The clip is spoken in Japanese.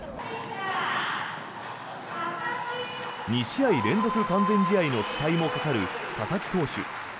２試合連続完全試合の期待もかかる佐々木投手。